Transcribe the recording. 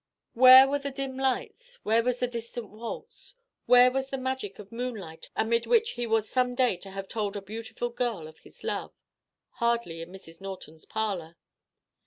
Where were the dim lights, where the distant waltz, where the magic of moonlight amid which he was some day to have told a beautiful girl of his love? Hardly in Mrs. Norton's parlor.